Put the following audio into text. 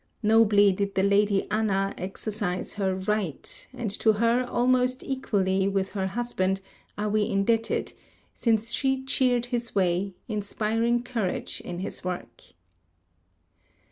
Nobly did the Lady Anna exercise her "right" and to her, almost equally with her husband, are we indebted, since she cheered his way, inspiring courage in his work.